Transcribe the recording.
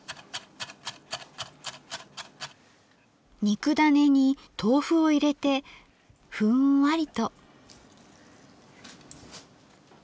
肉ダネに豆腐を入れてふんわりと。